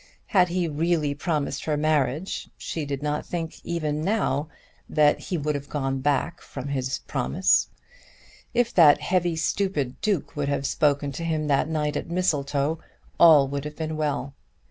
Had he really promised her marriage she did not even now think that he would have gone back from his word. If that heavy stupid duke would have spoken to him that night at Mistletoe, all would have been well!